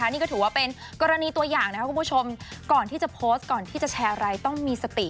นี่ก็ถือว่าเป็นกรณีตัวอย่างนะครับคุณผู้ชมก่อนที่จะโพสต์ก่อนที่จะแชร์อะไรต้องมีสติ